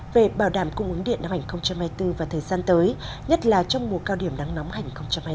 về bảo đảm cung ứng điện năm hai nghìn hai mươi bốn và thời gian tới nhất là trong mùa cao điểm nắng nóng hành hai mươi bốn